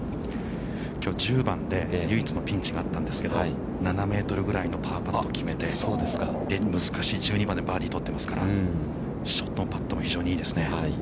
◆きょう、１０番で唯一のピンチがあったんですけど、７メートルぐらいのパーパットを決めて、難しい１２番でバーディーを取っていますから、ショットもパットも非常にいいですね。